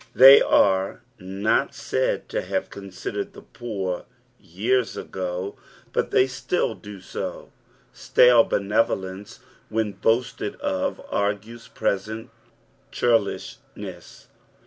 They are Dot said to have considered the poor yenrs ngo, but lliej ibll do HO. Stale bencTolcnce, wlien boasted of, arjfuea present cliurlishiieHs.